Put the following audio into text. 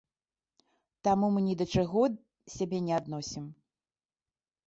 Таму мы ні да чаго сябе не адносім.